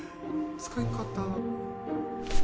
使い方は。